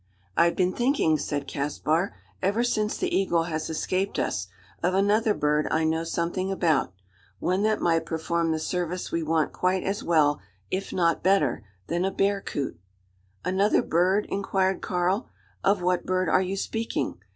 "I've been thinking," said Caspar, "ever since the eagle has escaped us, of another bird I know something about one that might perform the service we want quite as well, if not better, than a bearcoot." "Another bird!" inquired Karl; "of what bird are you speaking?